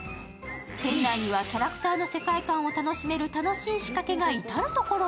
店内にはキャラクターの世界観を楽しめる楽しい仕掛けが至る所に。